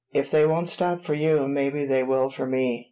"If they won't stop for you, maybe they will for me.